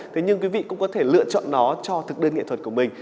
thế nhưng quý vị cũng có thể lựa chọn nó cho thực đơn nghệ thuật của mình